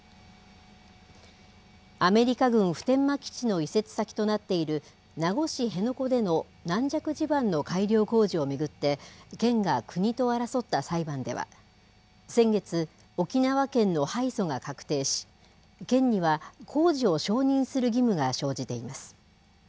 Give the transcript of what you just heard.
アメリカ軍普天間基地の移設先となっている名護市辺野古での軟弱地盤の改良工事を巡って、県が国と争った裁判では、先月、沖縄県の敗訴が確定し、県には工事を承認する義務が生じています。